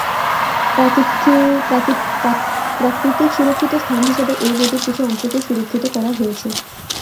প্রাকৃতিক সুরক্ষিত স্থান হিসেবে এই নদীর কিছু অংশকে সুরক্ষিত করা হয়েছে।